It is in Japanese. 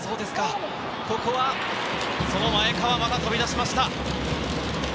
ここはその前川、また飛び出しました。